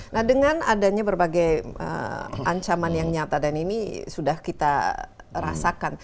nah dengan adanya berbagai ancaman yang nyata dan ini sudah kita rasakan